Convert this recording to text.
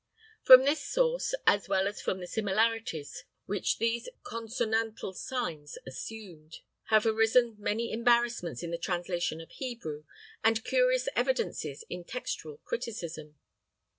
From this source, as well as from the similarities which these consonantal signs assumed, have arisen many embarrassments in the translation of Hebrew, and curious evidences in textual criticism.